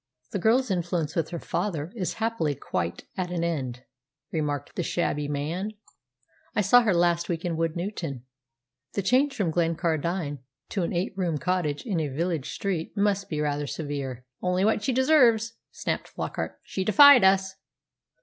"The girl's influence with her father is happily quite at an end," remarked the shabby man. "I saw her last week in Woodnewton. The change from Glencardine to an eight roomed cottage in a village street must be rather severe." "Only what she deserves," snapped Flockart. "She defied us."